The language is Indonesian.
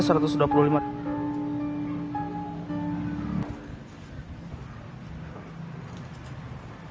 mas berapa semuanya semuanya satu ratus dua puluh lima